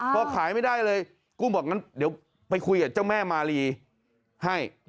พอขายไม่ได้เลยกุ้งบอกงั้นเดี๋ยวไปคุยกับเจ้าแม่มาลีให้